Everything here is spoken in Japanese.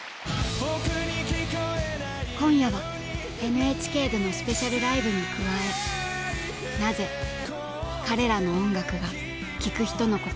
今夜はＮＨＫでのスペシャルライブに加え「なぜ彼らの音楽が聴く人の心を捉えて離さないのか」。